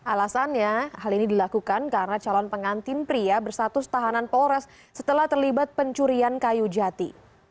alasannya hal ini dilakukan karena calon pengantin pria bersatus tahanan polres setelah terlibat pencurian kayu jati